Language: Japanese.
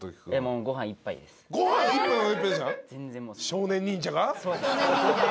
少年忍者が？